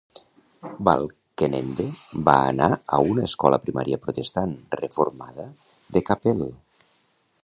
Balkenende va anar a una escola primària protestant reformada de Kapelle.